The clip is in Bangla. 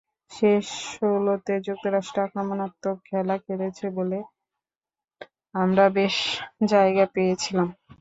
শেষ ষোলোতে যুক্তরাষ্ট্র আক্রমণাত্মক খেলা খেলেছে বলে আমরা বেশ জায়গা পেয়েছিলাম।